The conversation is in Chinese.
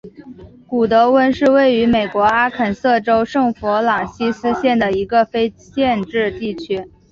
古得温是位于美国阿肯色州圣弗朗西斯县的一个非建制地区。